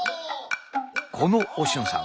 このお俊さん